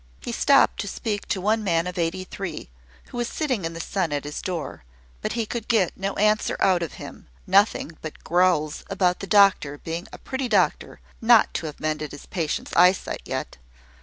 He stopped to speak to one man of eighty three, who was sitting in the sun at his door; but he could get no answer out of him, nothing but growls about the doctor being a pretty doctor not to have mended his patient's eye sight yet.